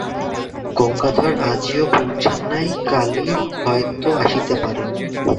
গঙ্গাধর আজিও পৌঁছান নাই, কালি হয়তো আসিতে পারেন।